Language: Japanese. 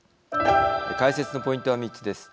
解説のポイントは３つです。